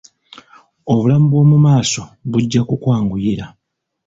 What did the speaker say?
Obulamu bwo mu maaso bujja kukwanguyira.